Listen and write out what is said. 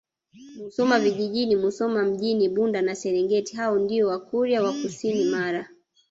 Musoma Vijjini Musoma Mjini Bunda na Serengati hao ndio Wakurya wa kusini Mara